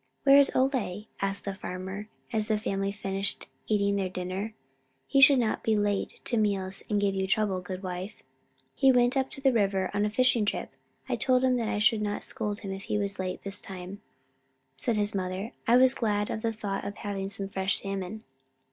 "Where is Ole?" asked the farmer, as the family finished eating their dinner. "He should not be late to meals and give you trouble, good wife." "He went up to the river on a fishing trip. I told him I should not scold if he was late this time," said his mother. "I was glad of the thought of having some fresh salmon."